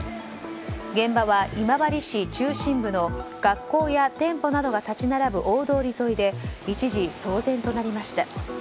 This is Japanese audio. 現場は今治市中心部の学校や店舗などが立ち並ぶ大通り沿いで一時騒然となりました。